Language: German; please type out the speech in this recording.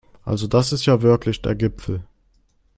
Also das ist ja wirklich der Gipfel